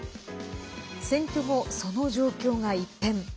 選挙後、その状況が一変。